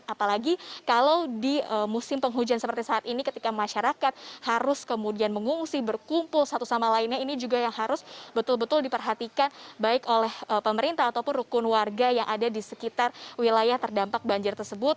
apalagi kalau di musim penghujan seperti saat ini ketika masyarakat harus kemudian mengungsi berkumpul satu sama lainnya ini juga yang harus betul betul diperhatikan baik oleh pemerintah ataupun rukun warga yang ada di sekitar wilayah terdampak banjir tersebut